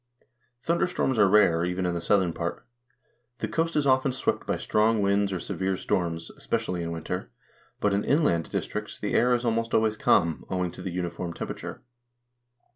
Thunderstorms are rare, even in the southern part. The coast is often swept by strong winds or severe storms, especially in winter, but in the inland districts the air is almost always calm, owing to the uniform temperature.